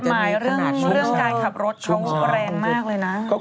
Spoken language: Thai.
กฎหมายในเรื่องร่างการขับรถเขาแรงมากเลยนะ